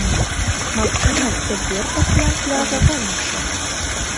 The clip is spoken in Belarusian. Магчыма, цяпер пасьянс ляжа па-іншаму.